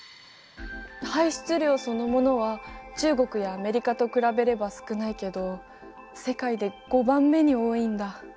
排出量そのものは中国やアメリカと比べれば少ないけど世界で５番目に多いんだ。